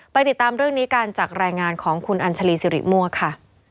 ติดตามเรื่องนี้กันจากรายงานของคุณอัญชาลีสิริมั่วค่ะ